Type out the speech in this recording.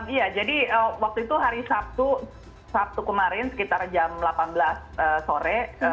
iya jadi waktu itu hari sabtu sabtu kemarin sekitar jam delapan belas sore